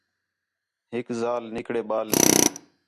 ہِک ذال نِکڑے بال تی